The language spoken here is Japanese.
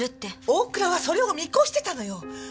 大倉はそれを見越してたのよ。